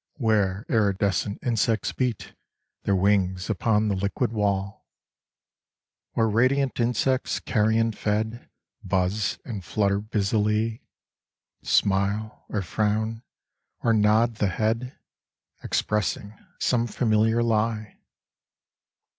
Where iridescent insects beat Their wings upon the liquid wall ; Where radiant insects, carrion fed. Buzz and flutter busily. Smile, or frown, or nod the head, Expressing some familiar lie.